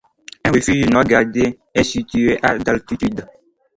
Un refuge non gardé est situé à d'altitude.